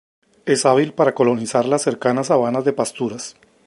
Es hábil para colonizar las cercanas sabanas de pasturas.